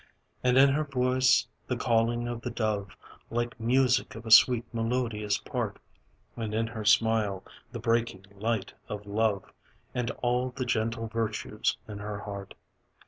And in her voice, the calling of the dove; Like music of a sweet, melodious part. And in her smile, the breaking light of love; And all the gentle virtues in her heart.